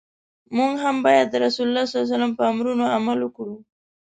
موږ هم باید د رسول الله ص په امرونو عمل وکړو.